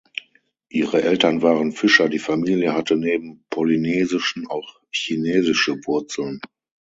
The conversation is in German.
Ihre Eltern waren Fischer; die Familie hatte neben polynesischen auch chinesische Wurzeln.